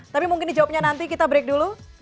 tapi mungkin di jawabnya nanti kita break dulu